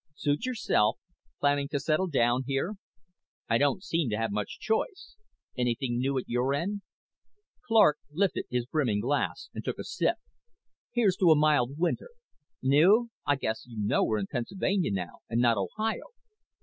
"Suit yourself. Planning to settle down here?" "I don't seem to have much choice. Anything new at your end?" Clark lifted his brimming glass and took a sip. "Here's to a mild winter. New? I guess you know we're in Pennsylvania now and not Ohio.